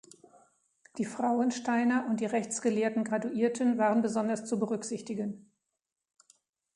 Die Frauensteiner und die rechtsgelehrten Graduierten waren besonders zu berücksichtigen.